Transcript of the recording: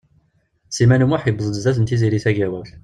Sliman U Muḥ yewweḍ-d zdat n Tiziri Tagawawt.